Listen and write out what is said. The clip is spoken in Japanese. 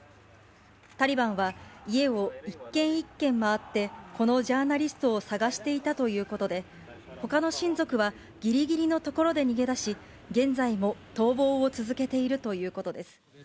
タリバンは家を一軒一軒回って、このジャーナリストを捜していたということで、ほかの親族はぎりぎりのところで逃げ出し、現在も逃亡を続けているということです。